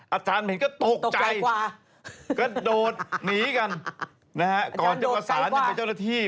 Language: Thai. อาจารย์เห็นก็ตกใจกระโดดหนีกันนะฮะก่อนจะประสานยังไงเจ้าหน้าที่